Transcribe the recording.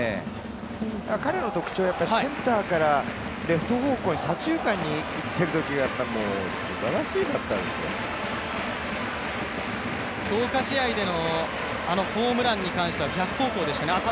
彼の特徴はやっぱりセンターからレフト方向に左中間に行ってるときは強化試合でのあのホームランに関しては逆方向でしたね。